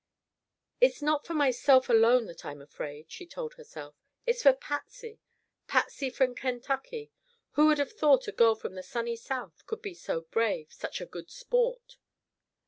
"It's not for myself alone that I'm afraid," she told herself. "It's for Patsy, Patsy from Kentucky. Who would have thought a girl from the sunny south could be so brave, such a good sport."